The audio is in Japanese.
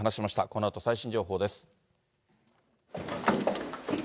このあと最新情報です。